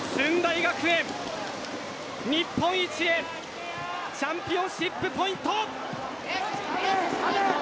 学園日本一へチャンピオンシップポイント。